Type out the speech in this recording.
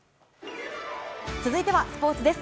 続いてはスポーツです。